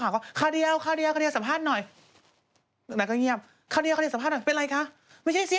เขาบอกว่าสีชมพูหวานเสริฟรั่งเลยหลังจากที่